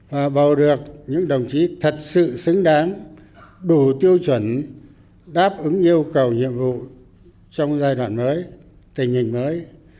và bầu được những đồng chí thật sự xứng đáng đủ tiêu chuẩn đáp ứng yêu cầu nhiệm vụ trong giai đoạn mới tình hình mới